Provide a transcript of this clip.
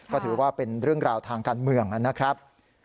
ก็ถือว่าเป็นเรื่องราวทางการเมืองนะครับ